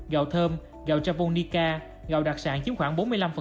gạo thơm gạo japonica gạo đặc sản chiếm khoảng bốn mươi năm